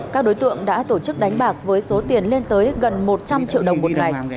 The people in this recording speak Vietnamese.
các đối tượng đã tổ chức đánh bạc với số tiền lên tới gần một trăm linh triệu đồng một ngày